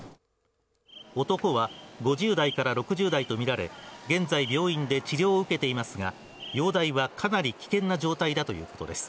男は５０代から６０代と見られ、現在、病院で治療を受けていますが、容体はかなり危険な状態だということです。